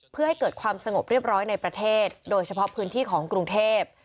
เพื่อให้เกิดความสงบเรียบร้อยในประเทศโดยเฉพาะพื้นที่ของกรุงเทพ